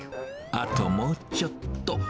あともうちょっと。